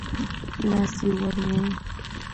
لاس يې ور ووړ.